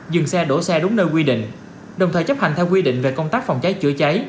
dừng xe đổ xe đúng nơi quy định đồng thời chấp hành theo quy định về công tác phòng cháy chữa cháy